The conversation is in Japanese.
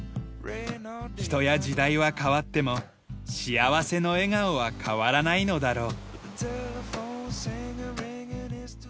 人や時代は変わっても幸せの笑顔は変わらないのだろう。